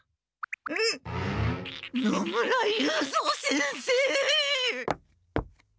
え野村雄三先生！